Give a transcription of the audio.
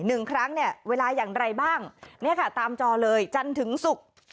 หนึ่งครั้งเนี่ยเวลาอย่างไรบ้างเนี่ยค่ะตามจอเลยจันทร์ถึงศุกร์